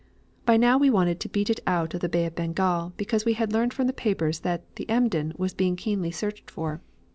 By now we wanted to beat it out of the Bay of Bengal, because we had learned from the papers that the Emden was being keenly searched for.